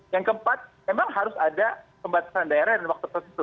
yang keempat memang harus ada pembatasan daerah dan waktu tertentu